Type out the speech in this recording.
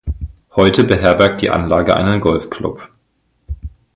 Heute beherbergt die Anlage einen Golfclub.